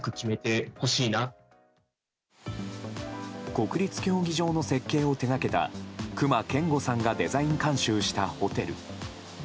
国立競技場の設計を手掛けた隈研吾さんがデザイン監修したホテル。